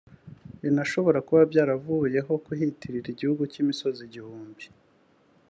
binashobora kuba byaravuyeho kuhitirira igihugu cy’imisozi igihumbi